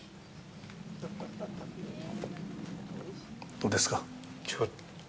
どうですか？